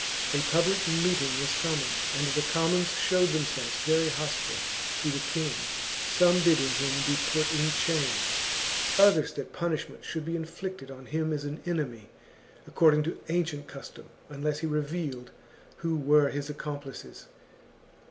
A public meeting was summoned, and the commons showed themselves very hostile to the king, some bidding him be put in chains, others that punishment should be inflicted on him as an enemy, according to ancient custom, unless l60 THE JUGURTHINE WAR. CHAP, he revealed who were his accomplices.